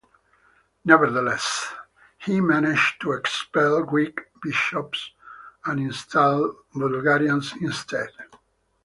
Nevertheless, he managed to expel Greek bishops and install Bulgarians instead.